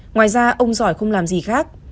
ngoài ra ông giỏi không làm gì khác